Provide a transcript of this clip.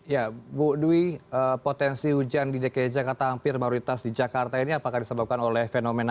ya bu dwi potensi hujan di dki jakarta hampir mayoritas di jakarta ini apakah disebabkan oleh fenomena